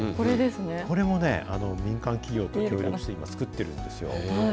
これもね、民間企業と協力して今、作っているんですよ。